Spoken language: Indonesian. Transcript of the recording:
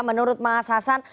menurut mas hasan